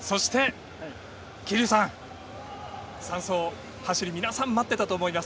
桐生さん、３走の走り、皆さん待っていたと思います。